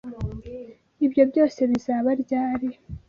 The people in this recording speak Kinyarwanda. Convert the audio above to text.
Ibyo byose bizaba ryari?